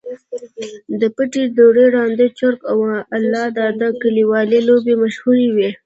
د پټې دُرې، ړانده چرک، او الله داد کلیوالې لوبې مشهورې وې.